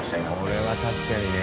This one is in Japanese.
これは確かにね。